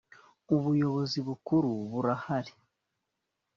ubuyobozi bukuru burahari.